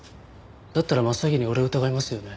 だったら真っ先に俺を疑いますよね。